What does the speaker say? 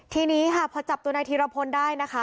ทีนี้ค่ะพอจับตัวนายธีรพลได้นะคะ